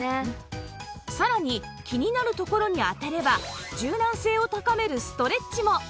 さらに気になるところに当てれば柔軟性を高めるストレッチも